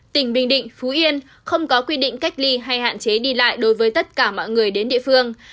tỉnh bình định phú yên không có quy định cách ly hay hạn chế đi lại đối với tất cả mọi người đến địa phương